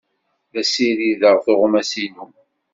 La ssirideɣ tuɣmas-inu.